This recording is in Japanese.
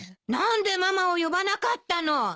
何でママを呼ばなかったの。